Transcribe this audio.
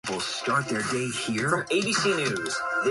There is also a bar called Joe's Spring Mount Hotel.